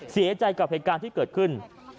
เสียใจกับเหตุการณ์ที่เกิดขึ้น